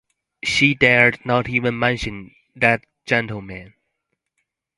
She dared not even mention that gentleman.